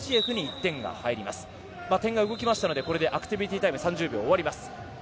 点が動きましたのでアクティビティータイムの３０秒が終わります。